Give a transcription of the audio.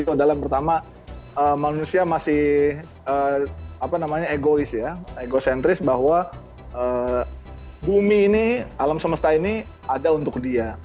itu adalah pertama manusia masih egois ya egocentris bahwa bumi ini alam semesta ini ada untuk dia